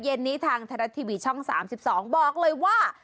เย็นนี้ทางไทยรัฐทีวีช่อง๓๒บอกเลยว่า